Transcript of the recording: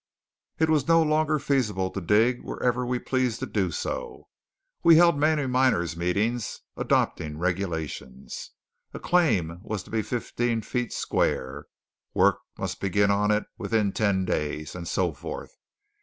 It was no longer feasible to dig wherever we pleased to do so. We held many miners' meetings, adopting regulations. A claim was to be fifteen feet square; work must begin on it within ten days; and so forth.